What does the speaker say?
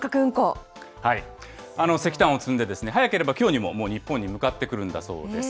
石炭を積んで、早ければきょうにも日本に向かってくるそうなんです。